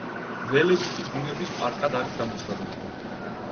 ველებიტი ბუნების პარკად არის გამოცხადებული.